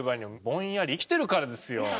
ぼんやり生きてるからですよ！